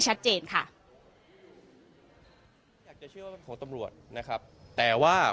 ชัดเจนค่ะอยากจะเชื่อว่าเป็นของตำรวจนะครับแต่ว่า